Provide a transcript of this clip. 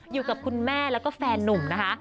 อยู่กับคุณแม่แล้วก็แฟนนุ่มนะคะ